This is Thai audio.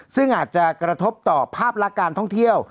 ซึ่งอาจจะกระทบต่อภาพลักษณ์การท่องเที่ยว